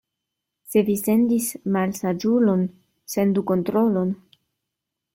Se vi sendis malsaĝulon, sendu kontrolon.